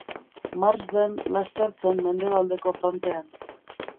Marsden laster zen mendebaldeko frontean.